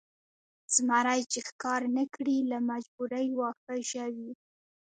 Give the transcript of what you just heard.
زمری چې ښکار نه کړي له مجبورۍ واښه ژوي.